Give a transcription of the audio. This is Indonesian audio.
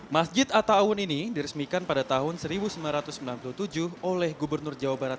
masjid atta awun ⁇ ini diresmikan pada tahun seribu sembilan ratus sembilan puluh tujuh oleh gubernur jawa barat